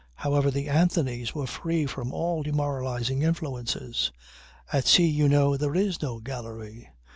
However, the Anthonys were free from all demoralizing influences. At sea, you know, there is no gallery.